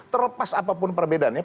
terlepas apapun perbedaannya